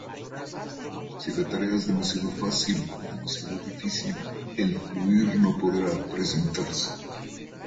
Si la tarea es demasiado fácil o demasiado difícil, el fluir no podrá presentarse.